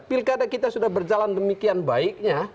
pilkada kita sudah berjalan demikian baiknya